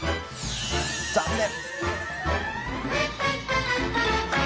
残念！